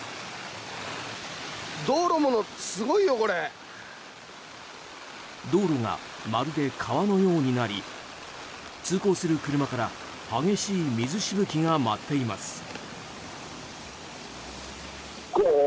道路がまるで川のようになり通行する車から激しい水しぶきが舞っています。